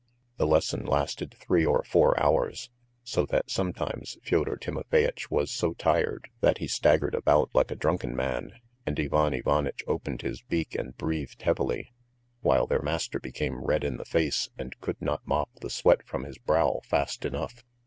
The lesson lasted three or four hours, so that sometimes Fyodor Timofeyitch was so tired that he staggered about like a drunken man, and Ivan Ivanitch opened his beak and breathed heavily, while their master became red in the face and could not mop the sweat from his brow fast enough.